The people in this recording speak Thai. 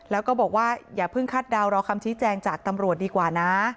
แล้วก็บอกว่าอย่าเพิ่งคาดเดารอคำชี้แจงจากตำรวจดีกว่านะ